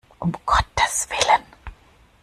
Um Gottes Willen!